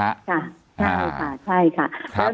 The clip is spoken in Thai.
ค่ะใช่ค่ะใช่ค่ะ